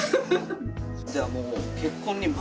じゃあもう。